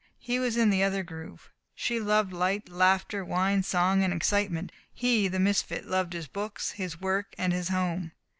He was in the other groove. She loved light, laughter, wine, song, and excitement. He, the misfit, loved his books, his work, and his home.